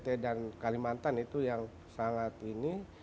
at dan kalimantan itu yang sangat ini